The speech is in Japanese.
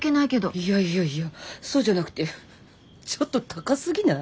いやいやいやそうじゃなくてちょっと高すぎない？